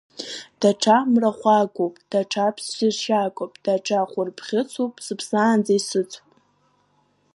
Даҽа мрахәагоуп, даҽа ԥсыршьагоуп, даҽа хәырбӷьыцуп, сыԥсаанӡа исыцуп!